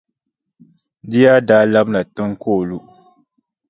Di yaa daa labina tiŋa ka o lu.